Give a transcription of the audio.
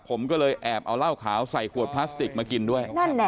ผมก็เลยแอบเอาเหล้าขาวใส่ขวดพลาสติกมากินด้วย